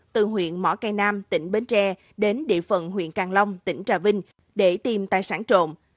từ huyện mỏ cây nam tỉnh bến tre đến địa phận huyện càng long tỉnh trà vinh để tìm tài sản trộm